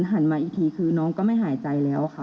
หันมาอีกทีคือน้องก็ไม่หายใจแล้วค่ะ